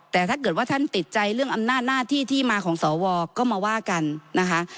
แต่ถ้าเกิดว่าท่านติดใจเรื่องอำนาจหน้าที่ที่มาของสวก็มาว่ากันนะคะ